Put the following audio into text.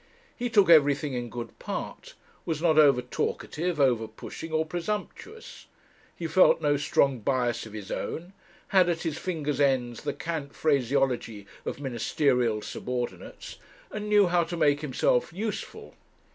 He took everything in good part, was not over talkative, over pushing, or presumptuous; he felt no strong bias of his own; had at his fingers' ends the cant phraseology of ministerial subordinates, and knew how to make himself useful.